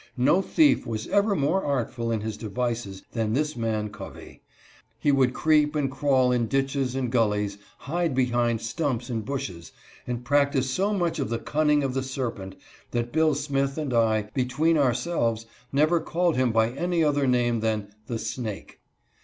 No thief was ever more artful in his devices than this man Covey. He would creep and crawl COVEY THE BRUTE. 149 in ditches and gullies, hide behind stumps and bushes, and practice so much of the cunning of the serpent, that Bill Smith and I, between ourselves, never called him by any other name than " the snake."